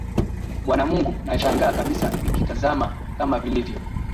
Bwana Mungu, nashangaa kabisa nikitazama kama vilivyo